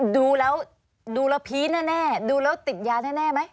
ดูแล้วพี้แน่แน่ดูแล้วติดยาแน่ไหม